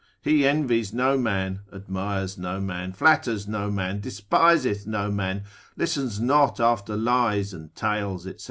he envies no man, admires no man, flatters no man, despiseth no man, listens not after lies and tales, &c.